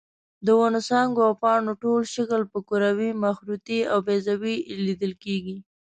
د ونو څانګو او پاڼو ټول شکل په کروي، مخروطي او بیضوي لیدل کېږي.